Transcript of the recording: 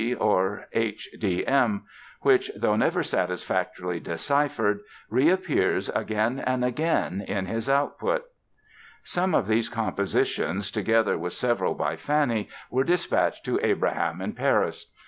or "H.d.m.", which though never satisfactorily deciphered, reappears again and again in his output. Some of these compositions, together with several by Fanny were dispatched to Abraham in Paris.